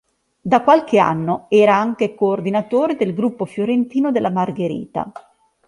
Da qualche anno era anche coordinatore del gruppo fiorentino della Margherita.